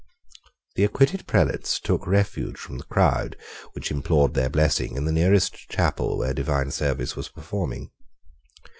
The acquitted prelates took refuge from the crowd which implored their blessing in the nearest chapel where divine service was performing.